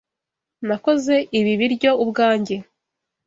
Nakoze ibi biryo ubwanjye.